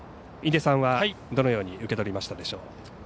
印出さんは、どのように受け取りましたでしょう？